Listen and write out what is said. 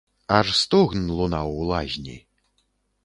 Аж стогн лунаў у лазні.